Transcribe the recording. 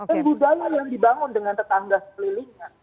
budaya yang dibangun dengan tetangga sekelilingnya